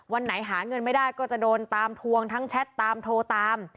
วันไหนหาเงินไม่ได้ก็จะโดนตามทวงทั้งแชทตามโทรตาม